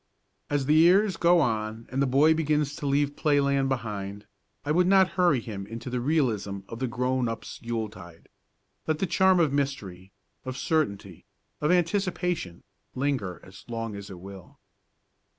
As the years go on and the boy begins to leave playland behind, I would not hurry him into the realism of the grown up's Yuletide. Let the charm of mystery, of certainty, of anticipation, linger as long as it will.